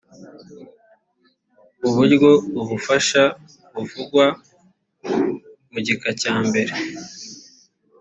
uburyo ubufasha buvugwa mu gika cya mbere